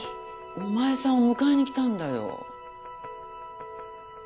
お前さんを迎えに来たんだよ。